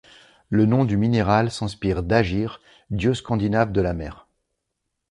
Le nom du minéral s'inspire d'Ægir, dieu scandinave de la mer.